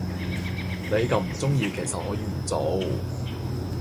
你咁唔鐘意其實可以唔做